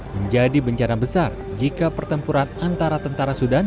menjadi bencana besar jika pertempuran antara tentara sudan